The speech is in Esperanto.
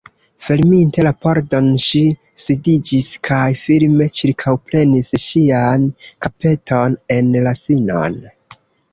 Ferminte la pordon, ŝi sidiĝis kaj firme ĉirkaŭprenis ŝian kapeton en la sinon.